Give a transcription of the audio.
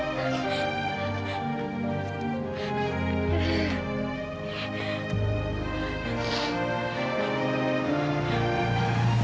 kejar apa yang kamu mau